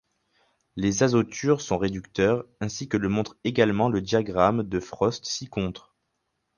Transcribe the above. Les azotures sont réducteurs, ainsi que le montre également le diagramme de Frost ci-contre.